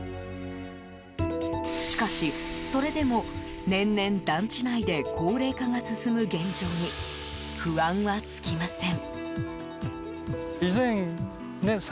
しかし、それでも年々団地内で高齢化が進む現状に不安は尽きません。